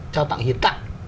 trao tặng hiền tặng